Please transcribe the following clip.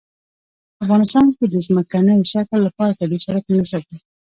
په افغانستان کې د ځمکنی شکل لپاره طبیعي شرایط مناسب دي.